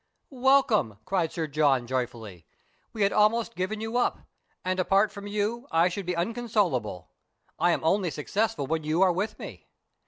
"Welcome," cried Sir John joyfully, "we had almost given you up, and apart from you I should be inconsolable. I am only successful when you are with me.